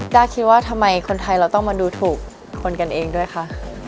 กล้าคิดว่าทำไมคนไทยเราต้องมาดูถูกคนกันเองด้วยคะ